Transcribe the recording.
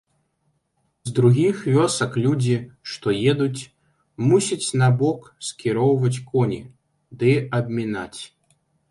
З другіх вёсак людзі, што едуць, мусяць набок скіроўваць коні ды абмінаць.